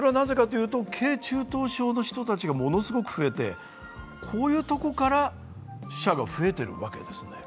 軽・中等症の人たちがものすごく増えて、こういうところから死者が増えているわけです。